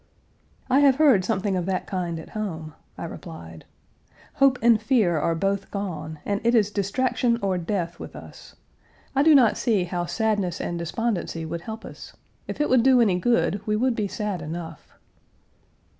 "I have heard something of that kind at home," I replied. "Hope and fear are both gone, and it is distraction or death with us. I do not see Page 277 how sadness and despondency would help us. If it would do any good, we would be sad enough."